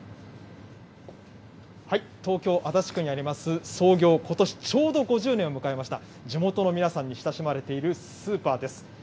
東京・足立区にあります創業、ことしちょうど５０年を迎えました、地元の皆さんに親しまれているスーパーです。